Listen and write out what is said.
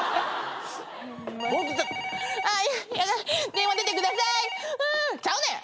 ☎「電話出てください」ちゃうねん！